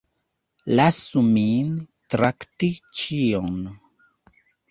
Lasu min trakti ĉion.